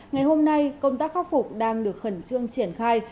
ngày hôm nay công tác khắc phục đang được khẩn trương triển khai